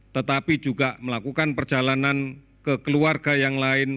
tetapi juga melakukan perjalanan ke keluarga yang lain